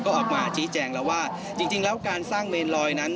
ก็ออกมาชี้แจงแล้วว่าจริงแล้วการสร้างเมนลอยนั้น